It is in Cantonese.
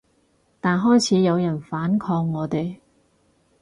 但開始有人反抗我哋